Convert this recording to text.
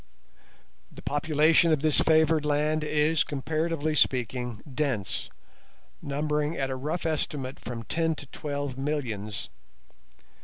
The population of this favoured land is, comparatively speaking, dense, numbering at a rough estimate from ten to twelve millions.